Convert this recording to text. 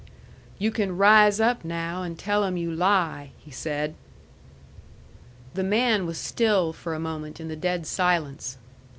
"You can rise up now, and tell them you lie," he said. The man was still for a moment in the dead silence.